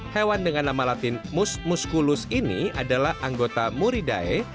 hewan dengan nama latin mus musculus ini adalah anggota muridae